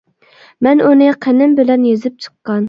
مەن ئۇنى قېنىم بىلەن يېزىپ چىققان.